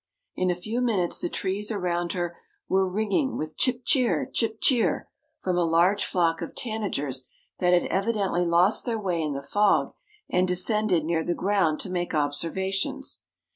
In a few minutes the trees around her were ringing with chip cheer! chip cheer! from a large flock of tanagers that had evidently lost their way in the fog, and descended near the ground to make observations.